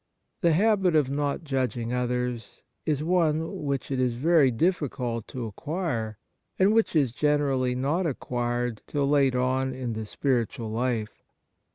The habit of not judging others is one which it is very difficult to acquire, and which is generally not acquired till late on in the spiritual life.